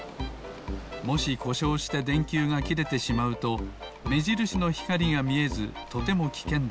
もしこしょうしてでんきゅうがきれてしまうとめじるしのひかりがみえずとてもきけんです。